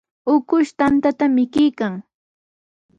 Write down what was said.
Ukush tantata mikuykan.